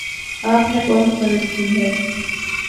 آپ نے بہت مدد کی ہے